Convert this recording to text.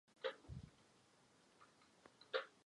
Žáci navštěvují školu v Dačicích.